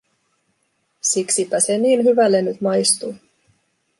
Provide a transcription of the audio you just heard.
Siksipä se niin hyvälle nyt maistui.